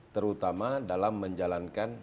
terutama dalam menjalankan spm